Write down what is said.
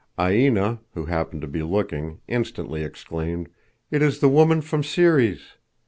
Aina, who happened to be looking, instantly exclaimed: "It is the woman from Ceres.